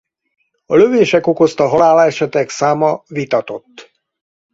A lövések okozta halálesetek száma vitatott.